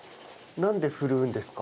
なんでふるうんですか？